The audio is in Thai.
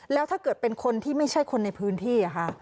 แล้วถ้าเกิดเป็นคนที่ไม่ใช่คนในพื้นที่